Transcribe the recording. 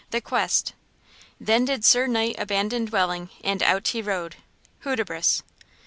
THE QUEST. Then did Sir Knight abandon dwelling And out he rode. –HUDIBRAS.